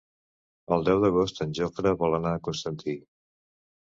El deu d'agost en Jofre vol anar a Constantí.